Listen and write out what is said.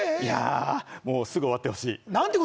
すぐ終わってほしい。